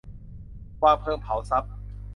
วางเพลิงเผาทรัพย์